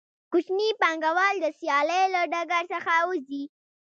کوچني پانګوال د سیالۍ له ډګر څخه وځي